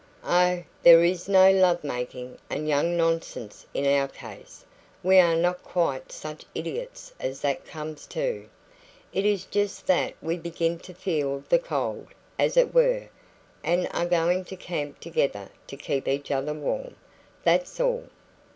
'Oh, there is no love making and young nonsense in our case we are not quite such idiots as that comes to; it is just that we begin to feel the cold, as it were, and are going to camp together to keep each other warm. That's all."